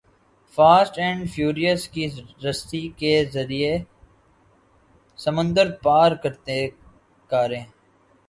fast and furious کی رسی کے ذریعے سمندر پار کرتیں کاریں